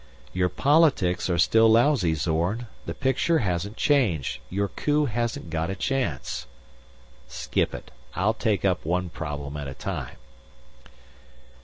"Your politics are still lousy, Zorn. The picture hasn't changed. Your coup hasn't got a chance." "Skip it. I'll take up one problem at a time."